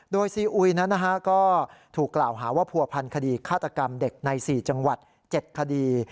โดยซีอุยนั้นก็ถูกกล่าวหาว่าผัวพันธ์คดีฆาตกรรมเด็กใน๔จังหวัด๗คดี